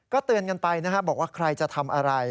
เตือนกันไปนะครับบอกว่าใครจะทำอะไร